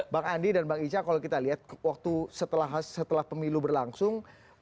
bang andi dan bang ica kalau kita lihat waktu setelah pemilu berlangsung